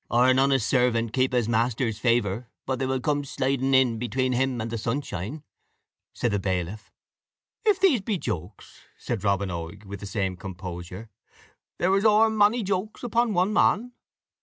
"Or an honest servant keep his master's favour, but they will come sliding in between him and the sunshine," said the bailiff. "If these pe jokes," said Robin Oig, with the same composure, "there is ower mony jokes upon one man."